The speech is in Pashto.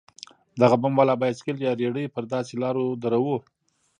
دغه بم والا بايسېکل يا رېړۍ پر داسې لارو دروو.